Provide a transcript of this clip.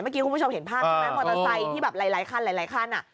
เมื่อกี้คุณผู้ชมเห็นภาพใช่ไหมมอเตอร์ไซค์ที่แบบหลายคันหลายคันอ่ะ